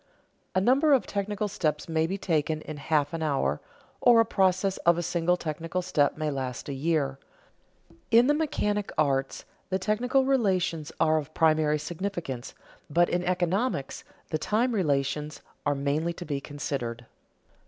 A number of technical steps may be taken in half an hour, or a process of a single technical step may last a year. In the mechanic arts the technical relations are of primary significance, but in economics the time relations are mainly to be considered.